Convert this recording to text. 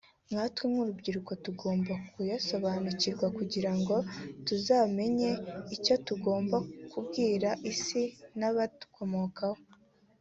nkatwe nk’urubyiruko tugomba kuyasobanukirwa kugirango tuzamenye icyo tugomba kubwira isi n'abazadukomokaho